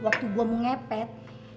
waktu gue mau ngepet